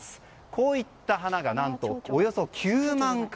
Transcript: こういった花が何とおよそ９万株